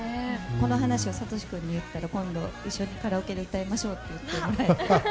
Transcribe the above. この話を聡君に言ったら今度一緒にカラオケで歌いましょうって言ってもらえて。